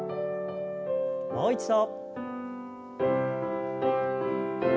もう一度。